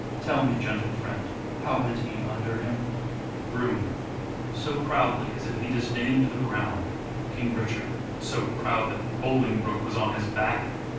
Tell me, gentle friend, How went he under him ? Groom : So proudly as if he disdain'd the ground. King Richard : So proud that Bolingbroke was on his back